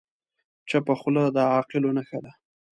چپه خوله، د عاقلو نښه ده.